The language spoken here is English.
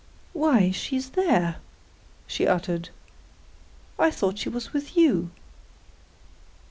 "Why! She's there," she uttered. "I thought she was with you."